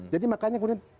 jadi makanya kemudian